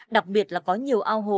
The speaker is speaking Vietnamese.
đặc biệt là có nhiều ao hồ